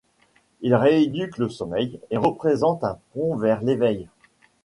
Il rééduque le sommeil et représente un pont vers l'éveil.